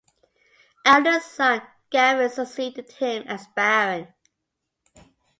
Eldest son Gavin succeeded him as Baron.